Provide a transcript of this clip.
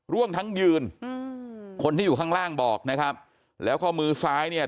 ทั้งยืนอืมคนที่อยู่ข้างล่างบอกนะครับแล้วข้อมือซ้ายเนี่ย